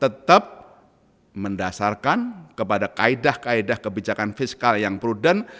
tetap mendasarkan kepada kaedah kaedah kebijakan fiskal yang prudent